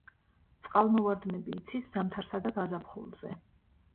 წყალმოვარდნები იცის ზამთარსა და გაზაფხულზე.